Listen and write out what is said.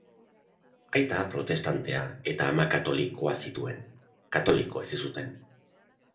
Aita protestantea eta ama katolikoa zituen; katoliko hezi zuten.